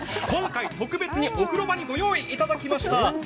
今回、特別にお風呂場にご用意いただきました。